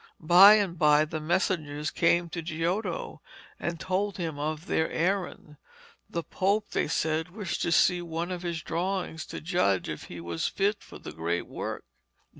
By and by the messengers came to Giotto and told him their errand. The Pope, they said, wished to see one of his drawings to judge if he was fit for the great work.